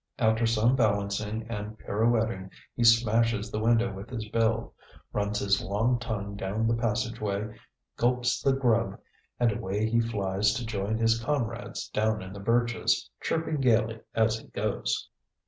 After some balancing and pirouetting he smashes the window with his bill, runs his long tongue down the passageway, gulps the grub and away he flies to join his comrades down in the birches, chirping gaily as he goes.